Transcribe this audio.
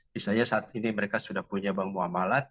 misalnya saat ini mereka sudah punya bank muamalat